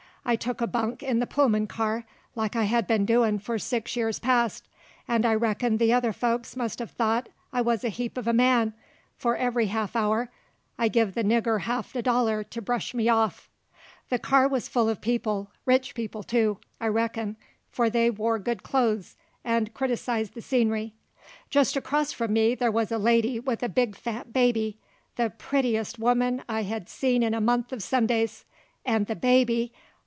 I took a bunk in the Pullman car, like I hed been doin' for six years past; 'nd I reckon the other folks must hev thought I wuz a heap uv a man, for every haff hour I give the nigger ha'f a dollar to bresh me off. The car wuz full uv people, rich people, too, I reckon, for they wore good clo'es 'nd criticized the scenery. Jest across frum me there wuz a lady with a big, fat baby, the pruttiest woman I hed seen in a month uv Sundays; and the baby!